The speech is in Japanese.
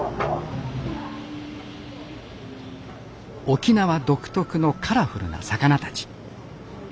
沖縄独特のカラフルな魚たち。